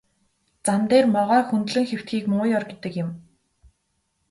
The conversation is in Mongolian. Зам дээр могой хөндлөн хэвтэхийг муу ёр гэдэг юм.